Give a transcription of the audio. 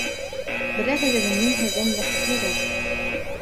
Беләһегеҙме, мин һеҙҙән бәхетлерәк!